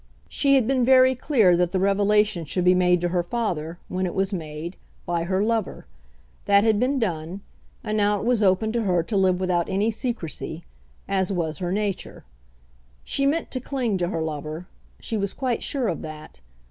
She had been very clear that the revelation should be made to her father, when it was made, by her lover. That had been done, and now it was open to her to live without any secrecy, as was her nature. She meant to cling to her lover. She was quite sure of that.